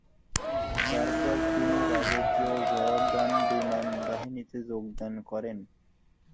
তারপর তিনি রাজকীয় জর্দান বিমান বাহিনীতে যোগদান করেন।